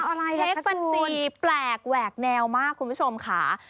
อ่าอะไรล่ะคะคุณเค้กแฟนซีแปลกแหวกแนวมากคุณผู้ชมค่ะ